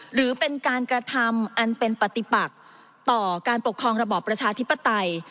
หรือเป็นการกระทำอันเป็นปฏิปักต่อการปกครองระบอบประชาธิปไตย